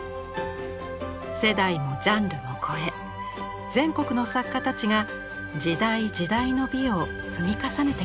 世代もジャンルも超え全国の作家たちが時代時代の美を積み重ねてきました。